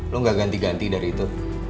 lo gak ganti ganti dari itu